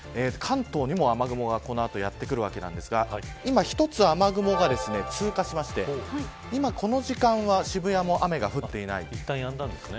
関東にも雨雲が、この後やってくるわけですが今、１つ雨雲が通過しまして、今この時間はいったん、やんだんですね。